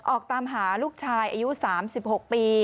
ออกตามหาลูกชายอายุ๓๖ปี